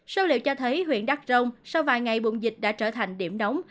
số liệu cho thấy huyện đắc rông sau vài ngày bùng dịch đã trở thành điểm đóng